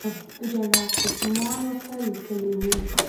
جنرال کوفمان ورته لیکلي وو.